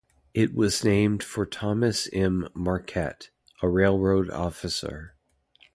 It was named for Thomas M. Marquette, a railroad official.